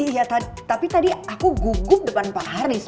iya tapi tadi aku gugup depan pak haris